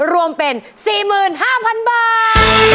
รวมเป็นสี่หมื่นห้าพันบาท